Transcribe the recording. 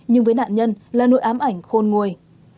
nhưng với nạn nhân là nội ám ảnh khôn nguôi